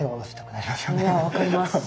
いや分かります